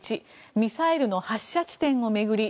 １ミサイルの発射地点を巡り